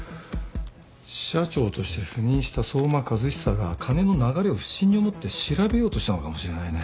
支社長として赴任した相馬和久が金の流れを不審に思って調べようとしたのかもしれないね。